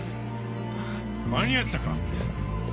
・間に合ったか！